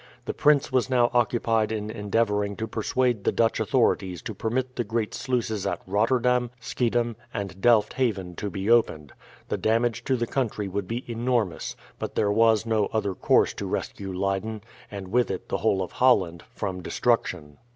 The prince was now occupied in endeavouring to persuade the Dutch authorities to permit the great sluices at Rotterdam, Schiedam, and Delft Haven to be opened. The damage to the country would be enormous; but there was no other course to rescue Leyden, and with it the whole of Holland, from destruction.